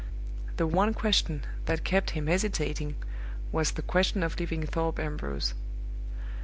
The one question that kept him hesitating was the question of leaving Thorpe Ambrose.